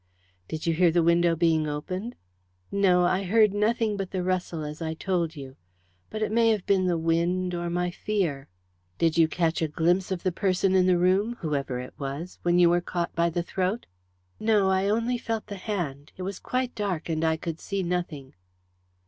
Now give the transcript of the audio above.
"Did you hear the window being opened?" "No; I heard nothing but the rustle, as I told you. But it may have been the wind, or my fear." "Did you catch a glimpse of the person in the room whoever it was when you were caught by the throat?" "No. I only felt the hand. It was quite dark, and I could see nothing."